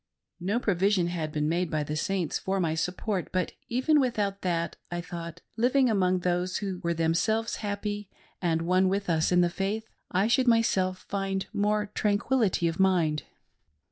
No provision had been made by the Saints for my support; but even without that, I thought, living among those who were themselves happy, and one with us in the faith, I should myself find more tranquillity of mind.